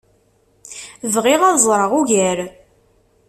Bɣiɣ ad ẓreɣ ugar.